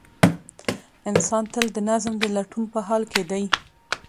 انسان تل د نظم د لټون په حال کې دی.